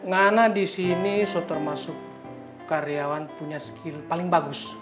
karena disini termasuk karyawan punya skill paling bagus